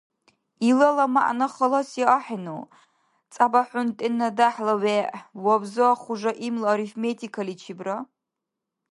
Илала мягӀна халаси ахӀену, цӀябахӀунтӀена дяхӀла вегӀ, вабза хужаимла арифметикаличибра?